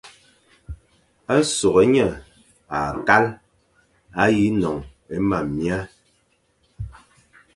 A soghé nye akal a yi non é mam mia,